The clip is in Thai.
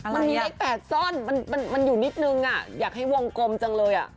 มันมีเลข๘ซ่อนมันอยู่นิดนึงอยากให้วงกลมจังเลย